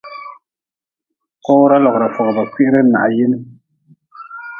Kowra logra fogʼba kwihiri n hayin.